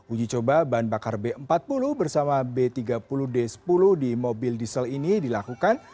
uji coba bahan bakar b empat puluh bersama b tiga puluh d sepuluh di mobil diesel ini dilakukan